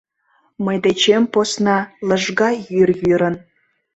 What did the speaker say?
Мый дечем посна лыжга йӱр йӱрын.